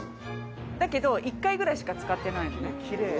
だけど１回ぐらいしか使ってないきれい。